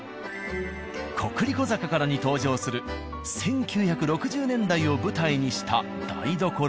「コクリコ坂から」に登場する１９６０年代を舞台にした台所や。